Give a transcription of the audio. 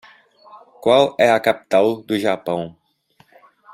Qual é a capital do Japão?